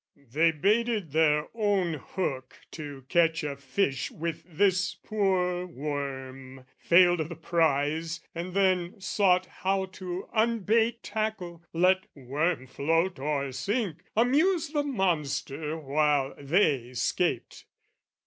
They baited their own hook to catch a fish With this poor worm, failed o' the prize, and then Sought how to unbait tackle, let worm float Or sink, amuse the monster while they 'scaped.